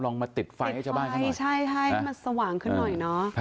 ลองมาติดไฟให้ชาวบ้านขึ้นหน่อย